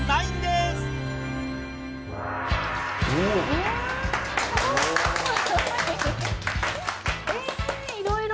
えいろいろ。